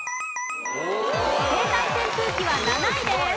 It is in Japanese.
携帯扇風機は７位です。